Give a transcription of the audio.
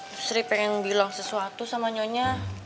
mbak sri pengen bilang sesuatu sama nyonya